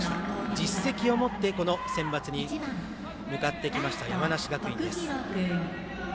実績を持ってこのセンバツに向かってきました山梨学院です。